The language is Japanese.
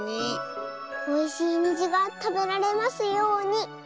おいしいにじがたべられますように。